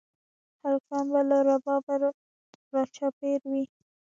هلکان به له ربابه راچاپېر وي